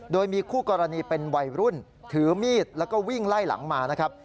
โดยมีคู่กรณีเป็นวัยรุ่นถือมีดแล้วก็วิ่งไล่หลังมานะครับ